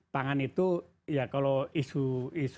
pangan itu ya kalau isu